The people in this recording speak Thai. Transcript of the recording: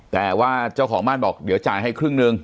แต่ว่าเจ้าของบ้านบอกเดี๋ยวจ่ายให้ครึ่งหนึ่ง